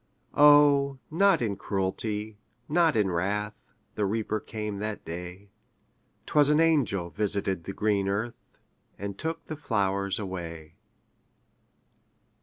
O, not in cruelty, not in wrath, The Reaper came that day; 'Twas an angel visited the green earth, And took the flowers away.